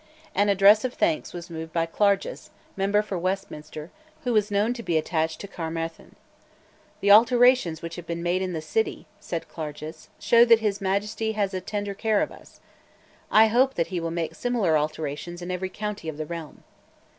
An address of thanks was moved by Clarges, member for Westminster, who was known to be attached to Caermarthen. "The alterations which have been made in the City," said Clarges, "show that His Majesty has a tender care of us. I hope that he will make similar alterations in every county of the realm."